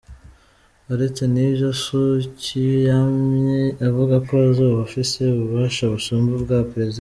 Aretse n’ivyo, Suu Kyi yamye avuga ko azoba afise ububasha busumba ubwa prezida.